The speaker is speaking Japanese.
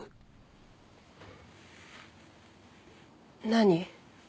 何？